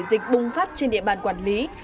dịch bùng phát trên địa bàn quản lý